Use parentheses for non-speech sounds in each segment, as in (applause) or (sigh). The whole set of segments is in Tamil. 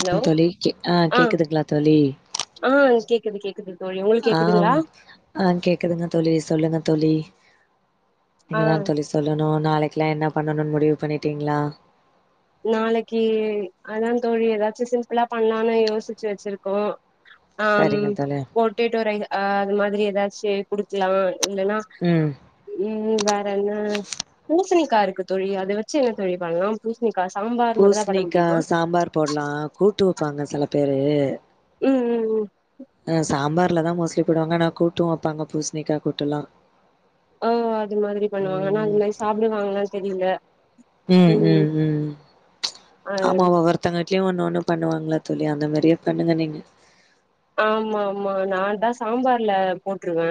ஹலோ அப் தோழி ஆ கேக்குதுங்ளா தோழி ஆ கேக்குது கேக்குது தோழி உங்களுக்கு ஆம் கேக்குதுங்ளா ஆ கேக்குதுங்க தோழி சொல்லுங்க தோழி ஆ நீங்க தா தோழி சொல்லணு நாளைக்குல்லா என்ன பண்ணணுனு முடிவு பண்ணிட்டீங்ளா நாளைக்கு அதா தோழி எதாச்சு சிம்பிளா பண்ணலானு யோசிச்சு வச்சிருக்கோ ஆம் சரிங்க தோழி போட்டட்டே ரைஸ் அ அது மாதிரி எதாச்சு குடுக்கலா இல்லன்னா ம் ம் வேற என்ன பூசணிக்கா இருக்கு தோழி அத வச்சு என்ன தோழி பண்ணலா பூச ணிக்கா சாம்பார் மட்டு தா பண்ண முடியுமா போடல்லா கூட்டு வைப்பாங்க செல பேரு ம் ம் ம் அ சாம்பார்ல தா மோஸ்ட்லி போடுவாங்க ஆனா கூட்டு வைப்பாங்க பூசணிக்கா கூட்டுலா ஓ அது மாதிரி பண்ணுவாங்க ஆனா ம் அதுமேரி சாப்பிடுவாங்கலானு தெரியில ம் ம் ம் ஆ ஆமாவ ஒர்த் தவங்க விட்லியு ஒன்னு ஒன்னு பண்ணுவாங்கள தோழி அந்த மாரியே பண்ணுங்க நீங்க ஆமா ஆமா நா தா சாம்பார்ல போட்ருவ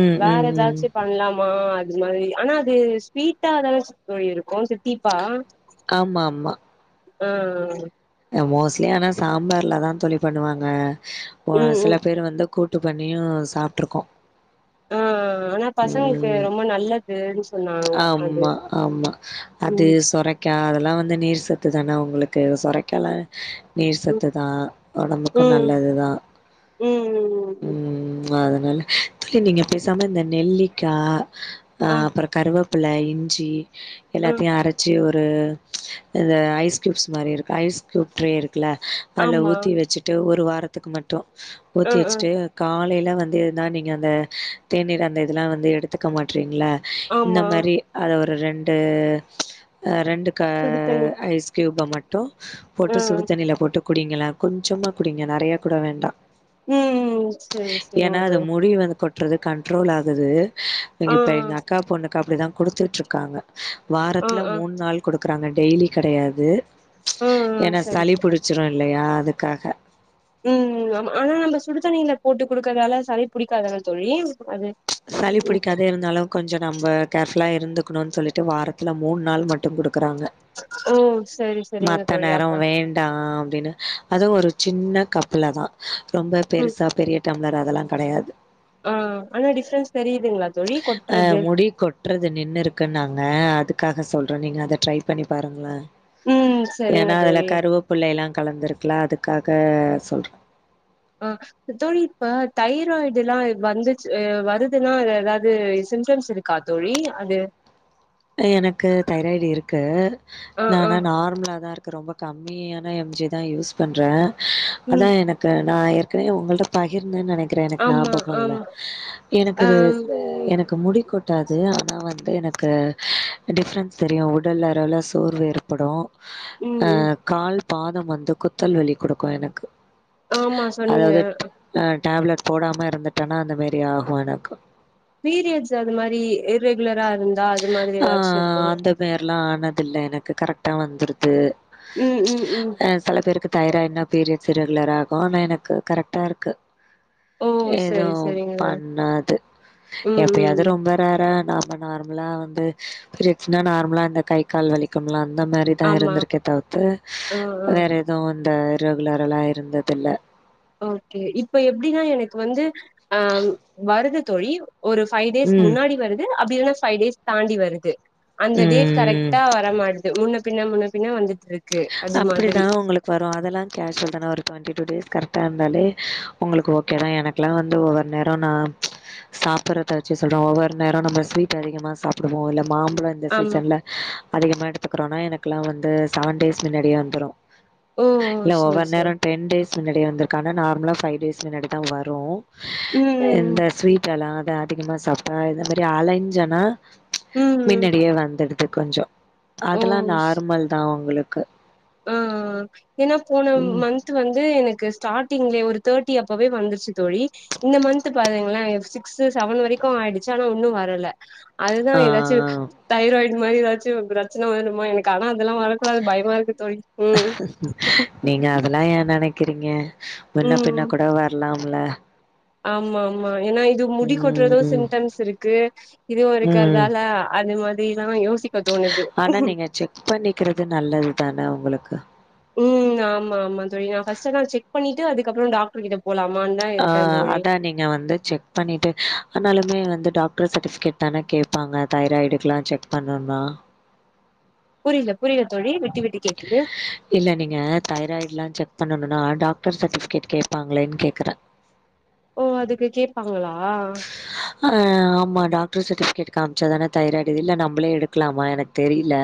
ம் வேற ம் ம் எதாச்சு பண்ணலாமா அது மாதிரி ஆனா அது ஸ்வீட்டா தான தோழி இருக்கு தீத்தீப்பா ஆம்மாம்மா அ மோஸ்ட்லி ஆனா சாம்பார்லதா தோழி பண்ணுவாங்க ம் சில ம் பேரு வந்து கூட்டு பண்ணியு சாப்ட்டு இருக்கோ ஆ ஆனா பசங்களுக்கு ரொம்ப நல்ல துனு சொன்னாங்க அது ஆம்மா ஆம்மா அது ம் சொரக் கா அதல்லா வந்து நீர் சத்து தான உங்களுக்கு சுரைக்காலா நீர் ம் சத்து தா ஒடம்புக்கு ம் நல்லதுதா ம் ம் அதனால தோழி நீங்க பேசாம இந்த நெல்லிக்கா அ ஆ அப்றோ கருவேப்பில இஞ்சி ஆ எல்லாத்தையு அரச் சி ஒரு இந்த ஐஸ் கியூப்ஸ் மாரி இருக்கு ஐஸ் கியூப் ட்ரே இருக்குல அதுல ஆமா ஊத்தி வெச்சுட்டு ஒரு வாரத்துக்கு மட்டு ஆ ஊத்தி ஆ வெச்சுட்டு காலையில வந்து இதுதா நீங்க அந்த தேநீர் அந்த இதெல்லா வந்து எடுத்துக்க மாட்டறீங்ள இந்த ஆமா மாரி அத ஒரு ரெண்டு ரெண்டு கரு சுடு தண்ணி ஐஸ் க்யூப் மட்டு ஆ போட்டு சுடு தண்ணியில போட்டு குடிங்கள கொஞ்சமா குடிங்க நிறைய கூட வேண்டா ம் செரி செரிங்க ஏனா அது தோழி முடி வந்து கொட் றது கண்ட்ரோல் ஆகுது எங்க ஆ இப்ப எங்க அக்கா பொண்ணுக்கு அப்டி தா குடுத்துட்டுருக்காங்க ஆ ஆ வாரத்துல ஆ மூணு நாள் குடுக்குறாங்க டெய்லி கெடையாது ஆ ஏனா சரி சளி சரி பிடிச்சிடு இல்லையா அதுக்காக ம் ஆமா ஆனா நம்ம சுடுதண்ணியில போட்டு குடுக்கறதால சளி புடிக்காது தான தோழி அது சளி ம் பிடிக்காது இருந்தாலு கொஞ்சோ நம்ம கேர்ஃபுல்லா இருந்துக்குணுனு சொல்லிட்டு வாரத்துல மூணு நாள் மட் டு குடுக்கறாங்க ஓ சரி சரிங்க மத்த தோழி நேரோ அப்ப வேண்டா அப்டின்னு அதுவு ஒரு சின்ன கப்புல ரொம்ப ம் பெருசா பெரிய டம்ளர் அதெல்லா கெடையாது ஆ அனா டிஃப்ரன்ஸ் தெரியுதுங்களா தோழி ஆ கொட்றது முடி கொட் றது நின்னு இருக்குன்னு நாங்க அதுக்காக சொல்ற நீங்க அத ட்ரை பண்ணி பாருங்கள ம் சரிங்க ஏன்னா அதுல தோழி கருவப்பிள்ளைலா கலந்துருக்குல்லா அதுக்காக சொல்ற ஆ தோழி இப்ப தைராய்டுலா வந்துச் அ வருதுன்னா எதாது சிம்டம்ஸ் இருக் கா தோழி அது அ எனக்கு தைராய்டு இருக்கு ஆ ந ஆ ந நார்மலா தா இருக்கு ரொம்ப கம்மியான எம் ஜிதா யூஸ் பண்ற அதா ம் எனக் கு நா ஏற்கனவே உங்கள்ட பகிர்ந்தன் நெனைக்கற எனக்கு ஆமா ஞாபக இல்ல ஆமா எனக்கு ஆ இது எனக்கு முடி கொட்டாது ஆனா வந்து எனக்கு டிஃப்ரென்ஸ் தெரியு உடல் அரவுல சோர்வு ஏற்படு ம் அ ம் கால் பாதம் வந்து குத்தல் வலி குடுக்கு எனக்கு ஆமா சொன்னீங்க அதாவது அ டேப்லெட் போடாம இருந்துட்டன்னா அந்த மேரி ஆகு எனக்கு பீரியட்ஸ் அது மாரி இர்ரெகுலரா இருந்தா அது மாதிரி எதாச்சு இருக்குங்க வேறலா ஆனதுல்ல எனக்கு கரக்ட்டா வந்துருது ம் ம் ம் அ சில பேருக்கு தைராய்டுனா பீரியட்ஸ்ஸு ரெகுலராகு அனா எனக்கு கரெக்ட்டா இருக்கு ஓ எதூ சரி சரிங்க பண்ணாது ம் ம் எப்பயாவது ம். ரொம்ப வேற நாம நார்மலா வந்து பீரியட்ஸ்ன்னா நார்மலா இந்த கை கால் வலிக்கும்ல அந்த மாரி தா ஆமா இருந்திருக்கே தவுத்து ஆ ஆ வேற எதுவு இந்த இர்ரெகுலராலா இருந்ததுல்ல ஓகே இப்ப எப்டின்னா எனக்கு வந்து அ வருதுத் தோழி ஒரு ஃபைவ் டேஸ் ம், முன்னாடி வருது அப்படி இல்லனா பைவ் டேஸ் தாண்டி வருது அந்த டேட் கரெக் ம். ட்டா வர மாட்டுது முன்னு பின்ன முன்னு பின்ன வந்துட்ருக் அப்படிதா உங்களுக் வரு அதல்லா கேஷுவல் தான ஒரு டொண்ட்டி டூ டேஸ் கரெக்ட்டா இருந்தாலே உங்களுக்கு ஓகே தா என குலா வந்து ஒவ்வொரு நேரோ நா சாப்படுறத வச்சு சொல்றோ ஒவ்வொரு நேரோ நம்ம ஸ்வீட் அதிகமா சாப்புடுவோ இல்ல மாம்பழோ இந்த ஆமா சீசன்ல அதிகமா எடுத்துக்கறோன்னா எனக்குலா வந்து சவன் டேஸ் மின்னாடியே வந்துரு ஓ இல்ல சரி ஒவ்வொரு சரி நேரோ டென் டேஸ் முன்னாடியே வந்திருக்கு அனா நார்மலா பைவ் டேஸ் முன்னாடிதா வரு ம் ம் இந்த ஸ்வீட்டல்லா த அதிகமா சாப்ட்டா இந்த மாரி அலஞ்சனா ம் ம் மின்னடியே வந்துடுது கொஞ்சோ ஓ அதல்லா ஸ் நார்மல் தா உங்களுக்கு ஆ ஏன்னா போன ம் மன் த் வந்து எனக்கு ஸ்டாட்டிங்லே ஒரு தேர்டி அப்பவே வந்துருச்சு தோழி இந்த மன்த் பாருங்களே சிக்ஸு சவன் வரைக்கு ஆயிடுச்சு அனா உன்னு வரல அதுதா ஆ எதாச்சு ஆ தைராய்டு மாரி எதாச்சு பிரச்சன வருமா எனக்கு அனா அதல்லா வர கூடாது பயமா இருக்கு தோழி ம் நீங்க அதல்லா ஏ நெனைக்கறீங்க முன்ன பின்ன கூட வ ர்லாமல்ல ஆமாம்மா ஏன்னா இது முடி கொட்றது ம் சிம்டம்ஸ் இருக்கு இதுவு ஒருக்கறதால அது மாதிரிலா யோசி அனா நீங்க செக் பண்ணிக்கறது நல்லது தான உங்களுக்கு ம் ஆமா ஆமா தோழி நா ஃபர்ஸ்ட் அனா செக் பண்ணீட்டு அதுக்கு அப்பறோ டாக்டர்கிட்ட போலாமான் தா ஆ அதா நீங்க வந்து செக் பண்ணிட்டு ஆனாலுமே வந்து டாக்டர் சர்டிபிகேட் தானே கேப்பாங்க தைராய்டுக்கெலா செக் பண்ணுனா புரியல புரியல தோழி விட்டு விட்டு கேக்குது இல்ல நீங்க தைராய்ட்ல்லா செக் பண்ணணுன்னா டாக்டர் சர்டிஃபிகேட் கேட்பாங்களேன் கேக்குறே (unintelligible) ஓ அதுக்கு கேப்பாங்களா ஆ ஆமா டாக்டர் சர்ட்டிபிகேட் காமிச்சாதான தைராய்டு இது இல்ல நம்மளே எடுக்கலாமா எனக்கு தெரியல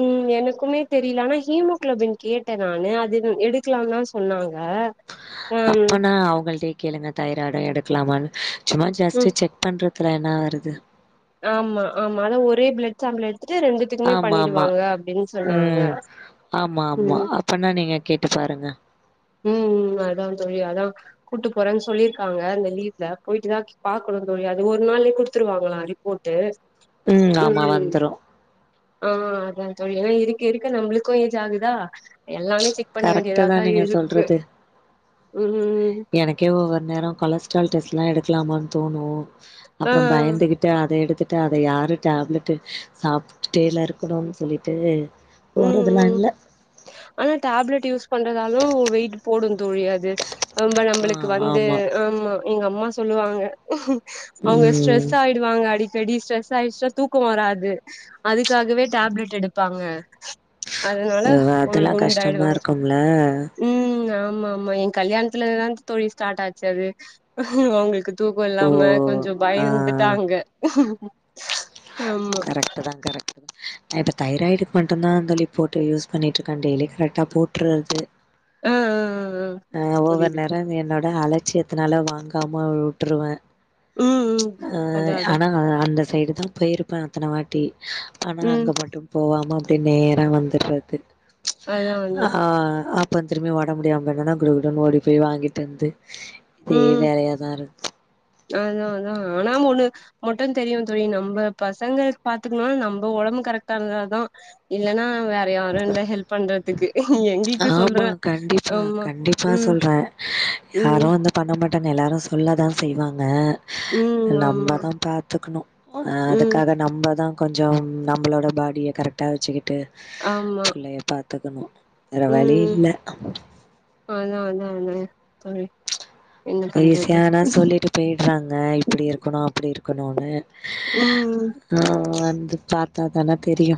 ம் எனக்குமே தெரியல ஆனா ஹீமோகுளோபின் கேட்டே நானு அது எடுக்கலான்னுதா சொன்னாங்க ம் ம் அப்பனா அவுங்கள்டயே கேளுங்க தைராய்டு எடுக்கலாமான்னு சும்மா ஜெஸ்ட் செக் பண்ளதுல என்ன வருது ஆமா ஆமா அதா ஒரே பிளட் சாம்பிள் எடுத்துட்டு ரெண்டு த்துக்குமே ஆமா ஆமா பண்ணிடுவாங்க அப்படின்னு சொன்னாங்க ம் அப்பண்ணா நீங்க கேட்டு பாருங்க ம் ம் அதா தோழி அதா கூட்டு போறேனு சொல்லிருக்காங்க இந்த லீவ்ல போயிட்டு தா பாக்கணு தோழி அது ஒரு நாள்லயே குடுத்துருவாங்களா ரிப் போட்டு ஆமா ம் வந்துரு ஆ அதா தோழி ஏனா இருக்க இருக்க நம்முளுக்கு ஏஜாகுதா எல்லாமே செக் பண்ண வேண்டியதாதா இருக் ன்றது எனக் கே ஒவ்வொரு நேரோ கொலட்ஸ்ரால் டெஸ்லா எடுக்கலாமான் தோணு ஆ அப்றோ பயந்துகிட் ட்டா அத எடுத்துட்டா அத யாரு டேப்லெட்டு சாப்ட்டுட்டேல இருக்கணுன் சொல்லிட்டு ம் போறதுலா ம் இல்ல ஆனா டேப்லெட் யூஸ் பண்றதாலியு வெயிட் போடு தோழி அது ரொம்ப ஆ நம்ளுக்கு வந்து ஆமா ஆமா எங்க அம்மா சொல்லுவாங்க உங்க ஸ்ட்ரெ ம் ஸ் ஆயிடுவாங்க அடிக்கடி ஸ்ட்ரெஸ் ஆயிச்சுனா தூக்கோ வராது அதுக்காகவே டேப்லெட் எடுப்பாங்க அதனால கொழு அதெல்லா கொழுன் கஷ்டமா குண்டாயிடுவாங்க இருக்கும்ல ம் ஆமாமா எ கல்யாணத்துலதாங் தோழி ஸ்டார்ட்டாச்சு அது அவுங்ளுக்கு தூக்கோ ஓ இல்லாம கொஞ்சோ ஆ பயந்துட்டாங்க ஆம் கரெக்ட்டு தா கரெக்ட்டு தா நா இப்ப தைராய்டுக்கு மட்டுந்தா அந்த ரிப்போர்ட்ட யூஸ் பண்ணிட்ருக்கே டெய்லி கரெக்டா போட்றுது ஆ ஆ ஆ ஒவ்வொரு புரியுது நேரோ புரி இது என்னோட அலட்சியத் துனால வாங்காம உட்ருவே ம் ம் ஆ அதா அதா ஆனா ஆ அந்த சைடு தா போயிருப்பே அத்தன வாட்டி ஆனா ம் அங்க மட்டும் போவாம அப்டே நேரா வந்துர்றது அதா ஆ அதா அப் பே திரும்பியு ஒடம் முடியாமருந்தனா குடுகுடுன்னு ஓடி போய் வாங்கிட்டு வந்து இதே வேலையாதாருக் அதாதா ஆனா ஒண்ணு மட்டு தெரியு தோழி நம்ப பசங்க பாத்துக்கணுனா நம்ப ஒடம்பு கரெக்டாருந்தா தா இல்னா வேற யாரு இல்ல ஹெல்ப் பண்றதுக்கு எங் ஆமா கண்டிப்பா கண்டிப்பா ம் சொல்றே யாரோ ம் அந்த பண்ண மாட்டாங்க எல்லாரு சொல்ல தா செய்வாங்க ம் ஆமா நம்மதா பாத்துக்கணு ஆ ம் அதுக்காக நம்மதா கொஞ்சோ ம் நம்ளோட பாடிய கரட்டா வெச்சுக்கிட்டு ஆமா எ பாத்துக்கணு வேற ம் வழியில்ல அதா அதா அதா அ ஈஸியானா சொல்லிட்டு பேய்ட்றாங்க இப்டி இருக்குணு அப்டி இருக்குணுனு உம் ம் ஆ வந்து பாத்தாதான தெரியு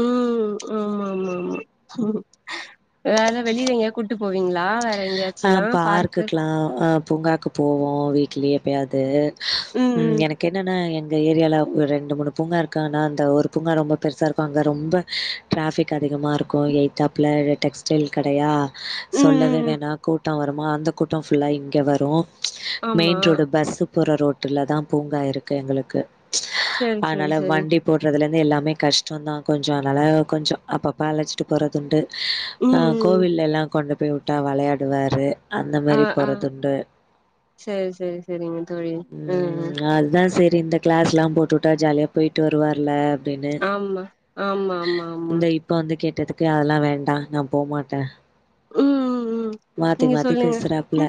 உம் ஆமா ஆமா ஆமா வேற வெளில எங்கியாது கூட்டு போவீங்ளா வே ஆ பார்க்குக்லா ஆ பூங்காக்கு போவோ வீட்லியே எப்போயாது ம் எனக்கு என்னனா என் இந்த ஏரியால ஒரு ரெண்டு மூணு பூங்கா இருக்கானா அந்த ஒரு பூங்கா ரொம்போ பெருசா இருக்கோ அங்க ரொம்ப ட்ராஃபிக் அதிகமா இருக்கோ எய்த்தாப்ல டெக்ஸ்டைல் கடையா ம் சொல்லவே ம் ம் வேணா கூட்டோ வருமா அந்த கூட்டோ ஃபுல்லா இங்க வரு ஆமா மெய்ன் ரோடு பஸ் போற ரோட்டுலதா பூங்கா இருக்கு எங்களுக்கு செரி செரி அனால செரி வண்டிப் போட்றதுலேந்து எல்லாமே கஷ்டோந்தா கொஞ்சோ அத்னால கொஞ்சோ அப்பப்ப அழச்சி ட்டு போறதுண்டு ஆ ம் ம் கோவில்லேலா கொண்டு போய் உட்டா வளையாடுவாரு அந்த மாரி போறதுண்டு செரி செரி செரிங்க தோழி ம் ம் அத்தா செரி இந்தக் கிளாஸ்லா போட்டுவுட்டா ஜாலியா போயிட்டு வருவார்லே அப்டினு ஆமா ஆமா ஆமா ஆமா இந்த இப் இப்போ வந்து கேட்டதுக்கு அதெல்லா வேண்டா நா போமாட்டே ம் ம் ம் நீங்க மாத்தி சொல்லுங்க பேசுறாப்புல.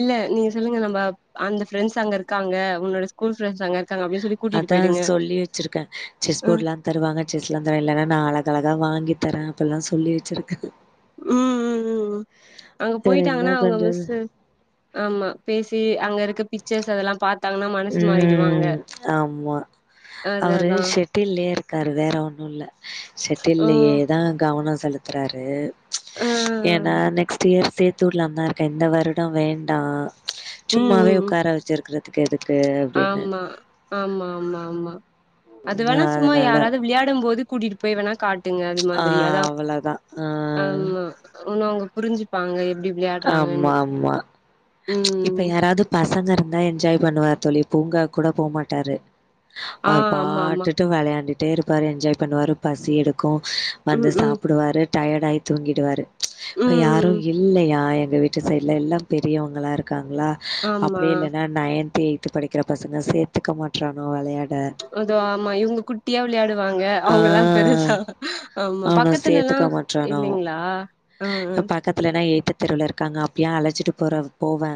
இல்ல நீங்க சொல்லுங்க நம்ம அந்த ப்ரெண்ட்ஸ் அங்க இருக்காங்க உன்னோட ஸ்கூல் ஃப்ரெண்ட்ஸ் அங்க இருக்காங்க அப்டின்னு சொல்லி கூட்டிட்டு அதா போயிடுங்க சொல்லி வச்சிருக்கே செஸ் ம் போடுலா தருவாங்க செஸ்லா தர இல்லன்னா நா அழக அழகா வாங்கி தரே அப்புல்லா சொல்லி வச்சிருக்கே ம் ம் ம் அங்க வேற என்ன போயிட்டாங்கன்னா அவுங்க பண்றது? மிஸ்ஸு ஆமா பேசி அங்க இருக்க பிக்சர்ஸ் அதெல்லா பாத் ம் ம் ஆமா அது அவரு அதா செட்டில்லே இருக்காரு வேற ஒண்ணு இல்ல ஓ செட்டில்லேதா கவனோ செலுத் துறாரு ஆ ஏன்னா நெக்ஸ்ட் இயர் சேத் சேத்தூர்லாதா இருக்கே இந்த வருடோ வேண்டா ம் சும்மாவே ம் ம் உக்கார வச்சிருக்குறதுக்கு எதுக் ஆமா ஆமா ஆமா ஆமா ஓ அது வேணா சும்மா யாராது விளயாடும் போது கூட்டிட்டு போய் வேணா காட்டுங்க அது ஆ மாதிரி அதாவ் அவ்ளதா ஆ அவ்ங்க அவ்ங்க புரிஞ்சுப்பாங்க எப்டிப் ஆமா ஆமா இப்ப ம் யாராது பசங்க இருந்தா என்ஜாய் பண்ணுவாரு தோழி பூங்கா கூட போவ்மாட்டாரு ஆ அவர் ஆமா ஆமா பாட்டு ட்டு விளயாண்டுட்டே இருப்பாரு என்ஜாய் பண்ணுவாரு பசி எடுக்கு வந்து ம் ம் சாப்டுவாரு டயடாயி தூங்கிடுவாரு இப்ப யாரு ம் இல்லயா ஆ எங்க வீட்டு சைடுல எல்லா பெரியவங்களா இருக்காங்களா ஆமா அப்டி இல்லன்னா நையன்த் எய்த் படிக்கிற பசங்க சேத்துக்க மாட்ராங்க வெளயாட் அதோ ஆமா இவ்ங்க குட்டியா விளயாடுவாங்க அவ்ங்கெல்லா பெருசா ஆமா அவ்ன பக்கத்துலல்லா சேத்துக்க மாட்றானோ இல்லைங்களா ஆ ஆ அப் பக் கத்துலனா ஏத்த தெருவுல இருக்காங்க அப்டியே அழச்சிட்டு போற போவே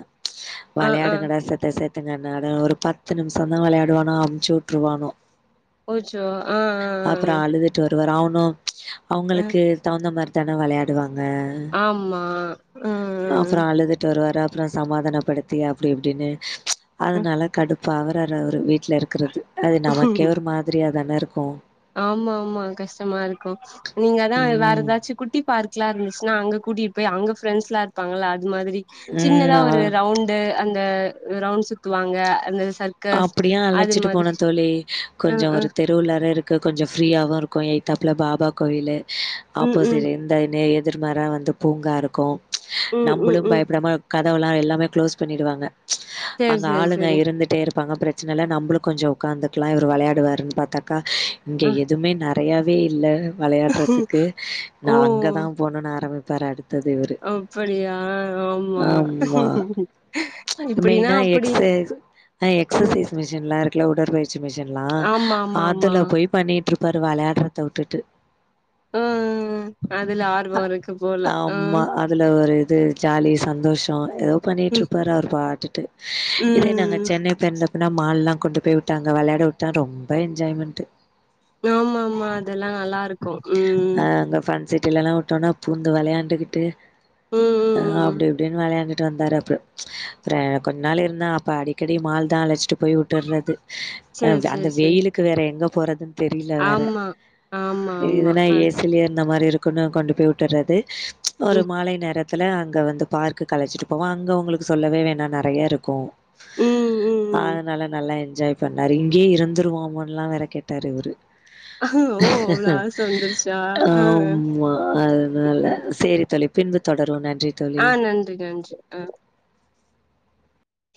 ஆ ஆ வெளயாடுங்கடா செத்த செத் தின்ன நானு ஒரு பத்து நிமிஷந்தா வெளயாடுவானு அம்ச்சு வுட்ருவானு ஓச்சோ ஆ ஆ ஆ ஆ ட்ரு வருவாரு அவனு அவுங்களுக்கு தகுந்த மாரிதான விளயாடுவாங்க ஆமா ம் ம் ம் அழுதுட்டு வருவாரு அப்புறோ சமாதானப்படுத்தி அப்டி இப்டினு ஆ அதனால கடுப் பாவுராரு அவுரு வீட்ல இருக்குறத அது ஆ நமக்கே ஒரு மாதிரியாதான இருக்கு ஆமா ஆமா கஷ்டமா இருக்கு நீங்க அதா வேற ம் எதாச்சு குட் டி பார்க்லா இருந்துச்சுன்னா அங்க கூட்டிட் போய் அங்க ஃப்ரெண்ஸ்லா இருப்பாங்கல அது மாரி ம் சின்னதா ஒரு அ ரவுண்டு அந்த ரவுண்ட் சுத்துவாங்க அந்த சர்க்கஸ் அப்படியு அது அழச்சிட்டு போன மாதிரி தோழி அ கொஞ்சோ அ ஒரு தெ ரு நேரா இருக்கு கொஞ்சோ ப்ரீயாவு இருக்கு எய்தாப்புல பாபா கோவிலு ம் அப்போ ம் செரின் தானு எதிர்மாரா வந்து பூங்கா இருக்கு ம் நம்பளு ம் ம் பயப்படாம கதவலா எல்லாமே க்ளோஸ் பண்ணிடுவாங்க சேரி அங்க சேரி ஆளுங்க சேரி இருந்துட்டே இரு பாங்க ப்ரெச்சன இல்ல நம்பளு கொஞ்சோ உக்காந்துக்கலா இவரு வெளயாடுவாருன் பாத்தாக்கா இங்க அ எதுமே ந றயவே இல்ல வெளயாட்றதுக்கு நா ஓ அங்கதா போனுன் ஆரமிப்பாரு அடு அப்டியா ஆமா ஆமா. இப்படின்னா அப்படி த எக்ஸசைஸ் மிஷின்லா இருக்குல உடற்பயிற்சி மிஷின்லா ஆமா ஆமா ஆமா அதுல போய் பண்ணிட்ருப்பாரு வெளயாட்றத வுட்டுட்டு உ உ உ அதுல அ ஆர்வோ இருக்கு போல ஆ ஆமா அதுல ஒரு இது ஜாலி சந்தோஷோ எதோ ம் பண்ணிட்ருப்பாரு அவுரு பாட்டுட்டு இதே நாங்க ம் சென்னை போயிருந்தப்பன்ன மால்லா கொண்டு போய் விட்டாங்க வெளயாட வுட்டா ரொம்ப என்ஜாய்மெண்ட் ஆமா ஆமா அதெல்லா நல்லா இருக்கு ம் அந்த ஃபன் சிட்டிலல்லா உ ட்டோனா பூந்து வெளயாண்டுக்கிட்டு ம் அ ம் ம் அப்டி இப்டின் வெளயாண்டுட்டு வந்தாரு அப்றோ அப்ற கொஞ் நாளு இருந்தா அப்ப அடிக்கடி மால்தா அழச்சிட்டு போய் உட்டுற்றது அ சேரி அந்த சேரி சேரி வெயிலுக்கு வேற எங்க போறதுன் தெரில வேற ஆமா ஆமா ஆமா இதுனா அ ஏசிலியே இருந்த மாரி இரு க்குன்னு கொண்டு போய் உட்டுறது ஒரு ம் மாலை நேரத்துல அங்க வந்து பார்க்குக்கு அழச்சிட்டு போவா அங்க அவுங்களுக்கு சொல்லவே வேணா நெறையருக்கு ம் ம் ம் அதனால நல்லா என்ஜாய் பண்ணாரு இங்கியே இருந்துருவோம்ன்லா வேற கேட்டாரு இவரு ஓ அவ்ளோ ஆச வந்துருச்சா ஆ ஆமா அதனால ம் சேரி தோழி பின்பு தொடருவோ நன்றி தோழி ஆ நன்றி நன்றி ஆ